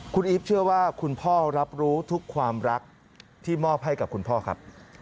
คุณอีฟเชื่อว่าคุณพ่อรับรู้ทุกความรักที่มอบให้กับคุณพ่อครับ